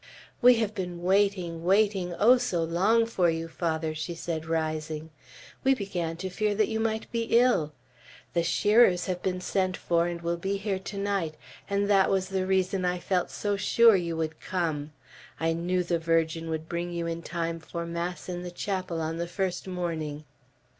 "We have been waiting, waiting, oh, so long for you, Father!" she said, rising. "We began to fear that you might be ill. The shearers have been sent for, and will be here tonight, and that was the reason I felt so sure you would come. I knew the Virgin would bring you in time for mass in the chapel on the first morning."